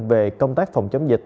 về công tác phòng chống dịch